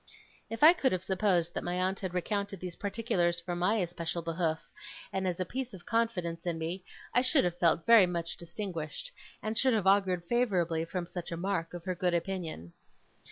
If I could have supposed that my aunt had recounted these particulars for my especial behoof, and as a piece of confidence in me, I should have felt very much distinguished, and should have augured favourably from such a mark of her good opinion.